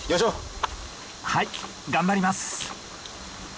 はい頑張ります。